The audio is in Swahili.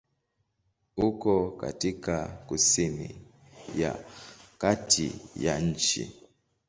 Uko katika kusini ya kati ya nchi.